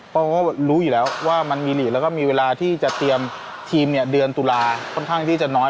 เพราะรู้อยู่แล้วว่ามันมีหลีกแล้วก็มีเวลาที่จะเตรียมทีมเดือนตุลาค่อนข้างที่จะน้อย